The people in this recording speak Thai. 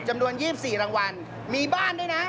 จำนวน๒๔รางวัลมีบ้านด้วยนะ